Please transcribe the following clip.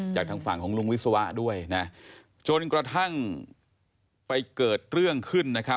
จากทางฝั่งของลุงวิศวะด้วยนะจนกระทั่งไปเกิดเรื่องขึ้นนะครับ